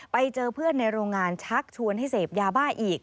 ไปเจอเพื่อนในโรงงานชักชวนให้เสพยาบ้าอีก